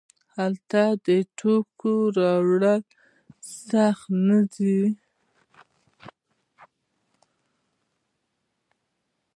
آیا هلته د توکو وړل سخت نه دي؟